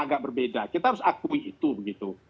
agak berbeda kita harus akui itu begitu